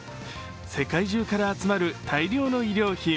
世界中から集まる大量の衣料品。